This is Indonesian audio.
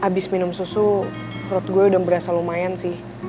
habis minum susu perut gue udah berasa lumayan sih